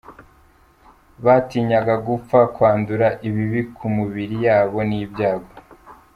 Batinyaga gupfa, kwandura ibibi ku mibiri yabo n’ibyago.